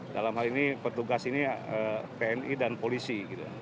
dalam hal ini petugas ini tni dan polisi